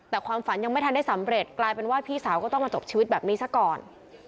แต่ความฝันยังไม่ทันได้สำเร็จกลายเป็นว่าพี่สาวก็ต้องมาจบชีวิตแบบนี้ซะก่อน